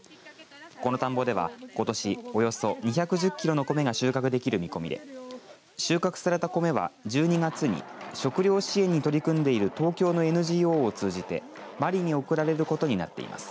この田んぼでは、ことしおよそ２１０キロの米が収穫できる見込みで収穫された米は１２月に食糧支援に取り組んでいる東京のＮＧＯを通じてマリに送られることになっています。